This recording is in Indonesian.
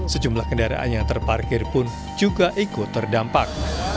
sejumlah kendaraan yang terparkir pun juga ikut terdampak